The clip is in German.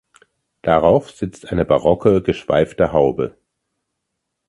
Darauf sitzt eine barocke geschweifte Haube.